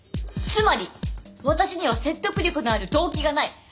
つまり私には説得力のある動機がない。